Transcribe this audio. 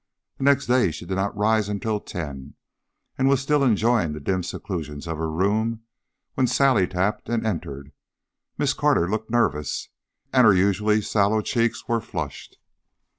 The next day she did not rise until ten, and was still enjoying the dim seclusion of her room when Sally tapped and entered. Miss Carter looked nervous, and her usually sallow cheeks were flushed.